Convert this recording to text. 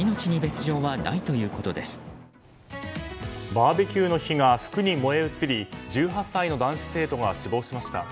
バーベキューの火が服に燃え移り１８歳の男子生徒が死亡しました。